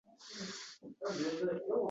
Dadajon yaqinlashmang, sizni yaxshi koʻraman